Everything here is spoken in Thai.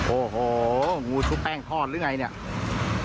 โอ้โหงูชุบแป้งทอดหรือไงเนี่ย